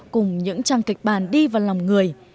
cùng những trang kịch bản đi vào lòng người